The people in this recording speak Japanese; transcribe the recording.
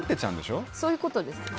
そういうことです。